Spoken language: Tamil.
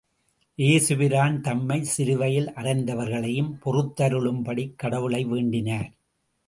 ஏசுபிரான் தம்மைச் சிலுவையில் அறைந்தவர்களையும் பொறுத்தருளும் படிக் கடவுளை வேண்டினார்.